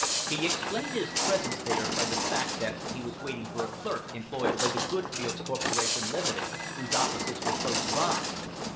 He explained his presence there by the fact that he was waiting for a clerk employed by the Goldfields' Corporation, Limited, whose offices were close by.